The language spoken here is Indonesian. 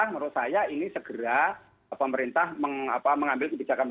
menurut saya ini segera pemerintah mengambil kebijakan